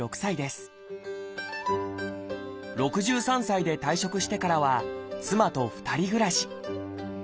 ６３歳で退職してからは妻と２人暮らし。